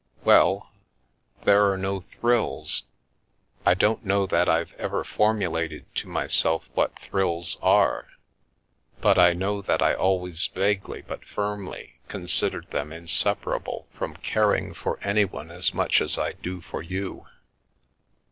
"Well, there're no thrills. I don't know that I've ever formulated to myself what thrills are, but I know that I always vaguely but firmly considered them in separable from caring for anyone as much as I do for you."